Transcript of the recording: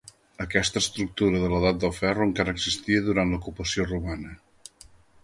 Aquesta estructura de l'edat del ferro encara existia durant l'ocupació romana.